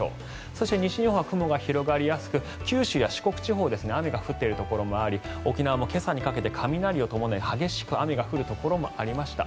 そして、西日本は雲が広がりやすく九州や四国地方は雨が降っているところもあり沖縄も今朝にかけて雷を伴い激しく雨が降るところもありました。